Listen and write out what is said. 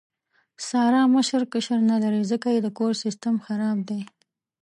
ساره مشر کشر نه لري، ځکه یې د کور سیستم خراب دی.